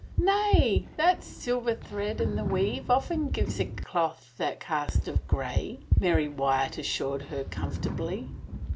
" Nay — that silver thread in the weave often gives a cloth that cast of gray," Mary Wyatt assured her com fortably.